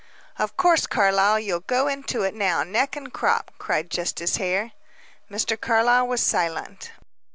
"Of course, Carlyle, you'll go into it now, neck and crop," cried Justice Hare. Mr. Carlyle was silent.